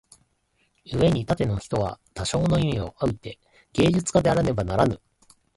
故に凡ての人は多少の意味に於て芸術家であらねばならぬ。